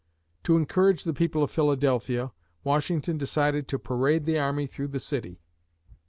To encourage the people of Philadelphia, Washington decided to parade the army through the city.